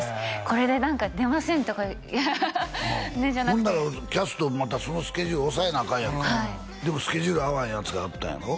これで何か「出ません」とかじゃなくてほんならキャストまたそのスケジュール押さえなアカンやんかでもスケジュール合わんやつがおったんやろ？